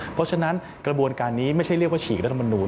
เพราะฉะนั้นกระบวนการนี้ไม่ใช่เรียกว่าฉีกรัฐมนูล